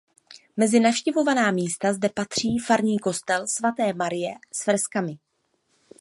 Mezi navštěvovaná místa zde patří farní kostel svaté Marie s freskami.